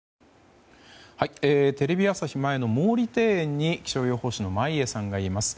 テレビ朝日前の毛利庭園に気象予報士の眞家さんがいます。